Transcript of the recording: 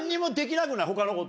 他のこと。